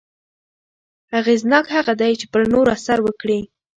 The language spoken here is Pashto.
اغېزناک هغه دی چې پر نورو اثر وکړي.